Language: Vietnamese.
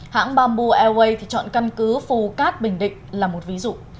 hãng bamboo airways thì chọn căn cứ phù cát bình định là một ví dụ